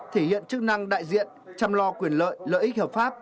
thể hiện chức năng đại diện chăm lo quyền lợi lợi ích hợp pháp